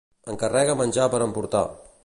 Encarrega menjar per emportar.